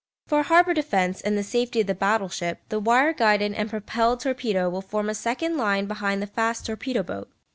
For harbour defence and the safety of the battle ship the wire guided and propelled torpedo will form a second line behind the fast torpedo boat.